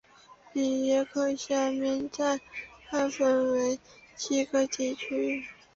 比耶克下面再划分为七个地区。